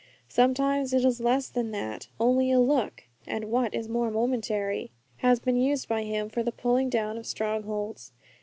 Sometimes it is less than that; only a look (and what is more momentary?) has been used by Him for the pulling down of strongholds.